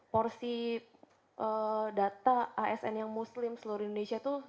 porsi data asn yang muslim seluruh indonesia itu